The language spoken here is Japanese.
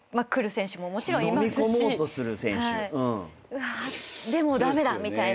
うわでもう駄目だみたいな。